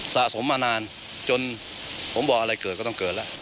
สะสมมานานจนผมบอกอะไรเกิดก็ต้องเกิดแล้ว